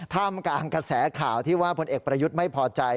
ท่ามกลางกระแสข่าวที่ว่าพลเอกประยุทธ์ไม่พอใจ